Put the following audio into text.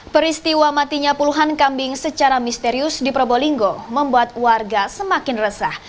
peristiwa matinya puluhan kambing secara misterius di probolinggo membuat warga semakin resah